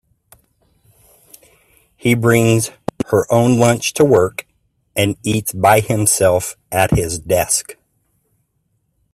He brings her own lunch to work, and eats by himself at his desk.